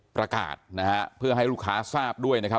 ประกาศนะฮะเพื่อให้ลูกค้าทราบด้วยนะครับ